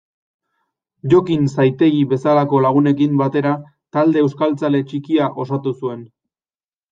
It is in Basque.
Jokin Zaitegi bezalako lagunekin batera talde euskaltzale txikia osatu zuen.